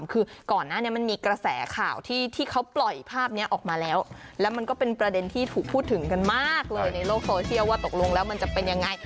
คือก่อนหน้านี้มันมีกระแสข่าวที่เขาปล่อยภาพนี้ออกมาแล้วแล้วมันก็เป็นประเด็นที่ถูกพูดถึงกันมากเลยในโลกโซเชียลว่าตกลงแล้วมันจะเป็นยังไง